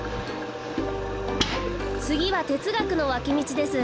つぎはてつがくのわきみちです。